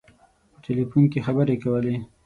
په ټلفون کې خبري کولې.